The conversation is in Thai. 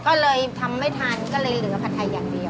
ก็เลยทำไม่ทันก็เลยเหลือผัดไทยอย่างเดียว